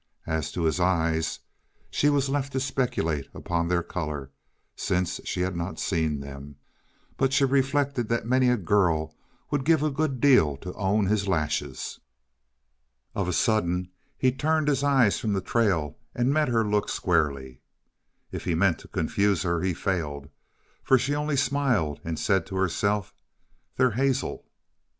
As to his eyes, she was left to speculate upon their color, since she had not seen them, but she reflected that many a girl would give a good deal to own his lashes. Of a sudden he turned his eyes from the trail and met her look squarely. If he meant to confuse her, he failed for she only smiled and said to herself: "They're hazel."